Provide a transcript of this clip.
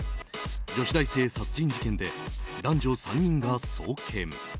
女子大生殺人事件で男女３人が送検。